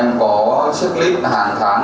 bọn em có checklist hàng tháng